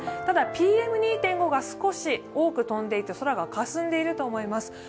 ただ、ＰＭ２．５が少し飛んで空がかすんでいると思います。